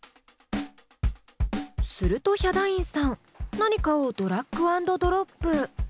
するとヒャダインさん何かをドラッグ＆ドロップ。